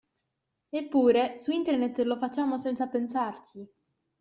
Eppure, su internet lo facciamo senza pensarci!